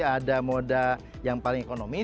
ada moda yang paling ekonomis